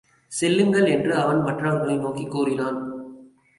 செல்லுங்கள் என்று அவன் மற்றவர்களை நோக்கிக் கூறினான்.